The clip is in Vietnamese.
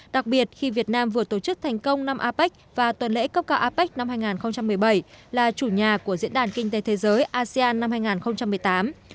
đặc biệt khi việt nam vừa tổ chức thành công năm apec và tuần lễ cấp cao apec năm hai nghìn một mươi bảy là chủ nhà của diễn đàn kinh tế thế giới asean năm hai nghìn một mươi tám